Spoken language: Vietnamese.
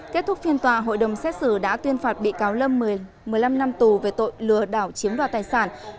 kết thúc phiên tòa hội đồng xét xử đã tuyên phạt bị cáo lâm một mươi năm năm tù về tội lừa đảo chiếm đoạt tài sản